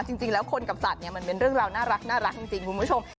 จริงแล้วคนกับสัตว์เนี่ยมันเป็นเรื่องราวน่ารักจริงคุณผู้ชม